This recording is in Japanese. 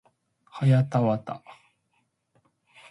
はやたわた